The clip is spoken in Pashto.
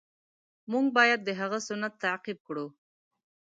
مونږ باید د هغه سنت تعقیب کړو.